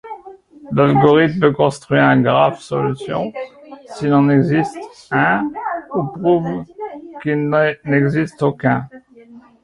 L'algorithme construit un graphe solution s'il en existe un, ou prouve qu'il n'existe aucun.